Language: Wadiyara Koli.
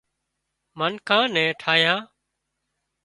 منکان نين ٺاهيان